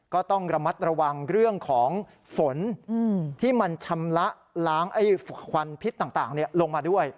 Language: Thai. ก็ต้องระมัดระวังเรื่องของฝนที่มันชำระล้างควันพิษต่างลงมาด้วย